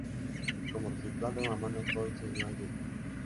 Como resultado, Amanda Cole se unió al grupo.